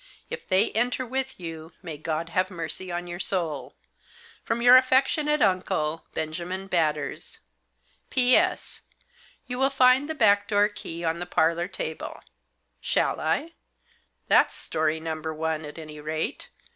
If they enter with you may God have mercy on your soul. From your affectionate uncle, Benjamin Batters. P.S. — You will find the back door key on the parlour table.' Shall I? That's story number one at any rate.